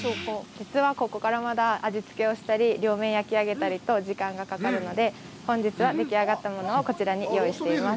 実は、ここからまだ味付けをしたり、両面を焼き上げたり、時間がかかるので、本日は、でき上がったものをこちらに用意しています。